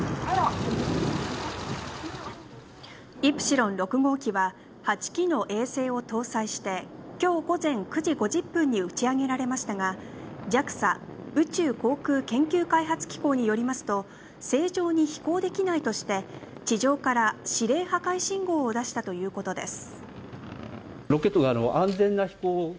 イプシロン６号機は８機の衛星を搭載してきょう午前９時５０分に打ち上げられましたがＪＡＸＡ＝宇宙航空研究開発機構によりますと正常に飛行できないとして地上から指令破壊信号を出したということです